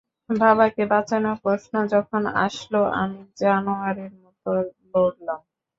বাবাকে বাঁচানোর প্রশ্ন যখন আসলো আমি জানোয়ারের মতো লড়লাম।